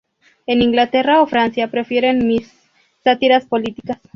En Inglaterra o Francia prefieren mis sátiras políticas.